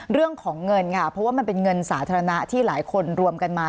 เรื่องของเงินค่ะเพราะว่ามันเป็นเงินสาธารณะที่หลายคนรวมกันมา